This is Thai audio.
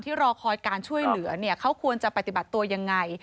รอคอยการช่วยเหลือเนี่ยเขาควรจะปฏิบัติตัวยังไง